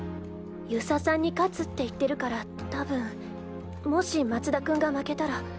遊佐さんに勝つって言ってるからたぶんもし松田君が負けたら。